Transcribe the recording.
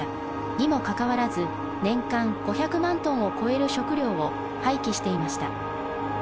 にもかかわらず年間５００万トンを超える食料を廃棄していました。